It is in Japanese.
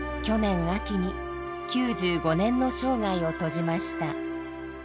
去年秋に９５年の生涯を閉じました。